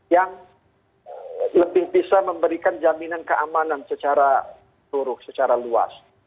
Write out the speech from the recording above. yang lebih bisa memberikan jaminan keamanan secara turuh secara luas